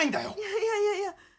いやいやいや。